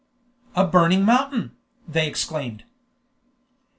"A burning mountain!" they exclaimed.